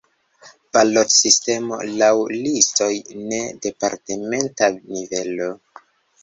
Balotsistemo laŭ listoj je departementa nivelo.